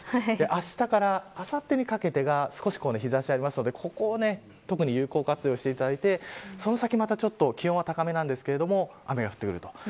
あしたからあさってにかけて少し日差しがありますのでここは特に有効活用していただいて、その先またちょっと気温は高めですが雨が降ってくると。